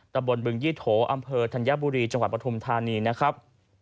ตะบนบึงยี่โถอำเภอธัญบุรีจังหวัดปฐุมธานีนะครับ